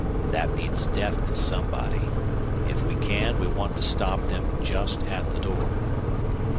That means death to somebody. If we can we want to stop them just at the door."